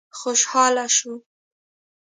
خوشاله شو.